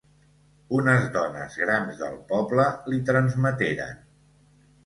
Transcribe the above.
Unes dones grans del poble li transmeteren.